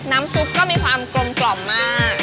น้ำซุปก็มีความกลมมา